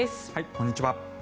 こんにちは。